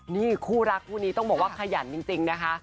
นี่คู่รักคู่นี้ต้องบอกว่าขยันจริงนะคะ